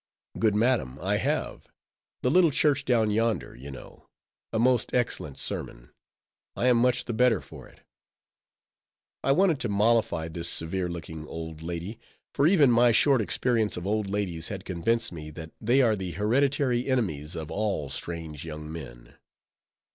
"Good madam, I have; the little church down yonder, you know—a most excellent sermon—I am much the better for it." I wanted to mollify this severe looking old lady; for even my short experience of old ladies had convinced me that they are the hereditary enemies of all strange young men.